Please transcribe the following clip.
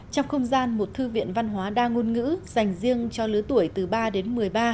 trong không gian một thư viện văn hóa đa ngôn ngữ dành riêng cho lứa tuổi từ ba đến một mươi ba